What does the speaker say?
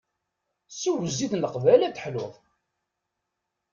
Sew zzit n leqbayel ad teḥluḍ!